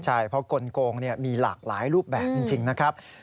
ใช่เพราะกลงมีหลากหลายรูปแบบจริงนะครับ